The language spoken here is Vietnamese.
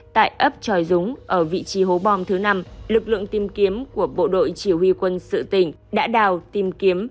tại ấp tròi dúng ở vị trí hố bom thứ năm lực lượng tìm kiếm của bộ đội chỉ huy quân sự tỉnh đã đào tìm kiếm